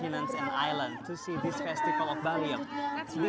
jangan sampai melihat persembahan seperti ini